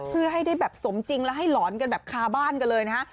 เพื่อให้ได้แบบสมจริงและให้หลอนกันแบบคาบ้านกันเลยนะฮะ